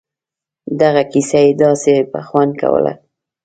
دغه کيسه يې داسې په خوند کوله.